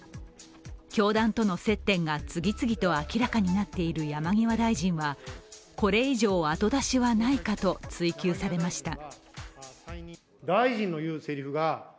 教団との接点が次々と明らかになっている山際大臣はこれ以上、後出しはないかと追及されました。